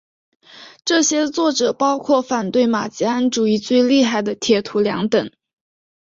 这些作者包括反对马吉安主义最厉害的铁徒良等。